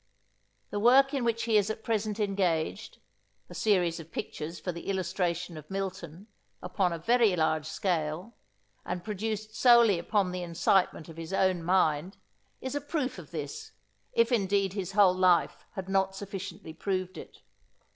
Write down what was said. The work in which he is at present engaged, a series of pictures for the illustration of Milton, upon a very large scale, and produced solely upon the incitement of his own mind, is a proof of this, if indeed his whole life had not sufficiently proved it.